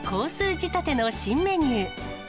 仕立ての新メニュー。